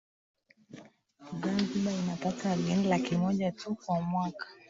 Zanzibar inapata wageni laki moja tu kwa mwaka